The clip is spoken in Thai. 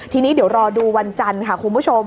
ทีนี้เดี๋ยวรอดูวันจันทร์ค่ะคุณผู้ชม